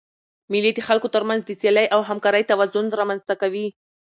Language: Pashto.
مېلې د خلکو تر منځ د سیالۍ او همکارۍ توازن رامنځ ته کوي.